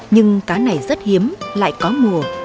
nhưng cá này rất hiếm lại có mùa